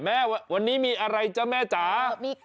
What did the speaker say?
แม่วันนี้มีอะไรจ๊ะแม่จ๋า